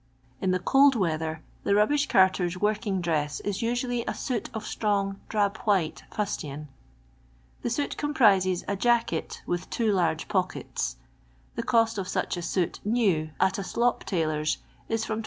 In the cold weather, the rubbish carter's work ing dress is usually a suit of strong drab white fustian. The suit^mprises a jacket with two large pockets. TlWcost of such a suit, new, at a sIop tailor*8, is from 28«.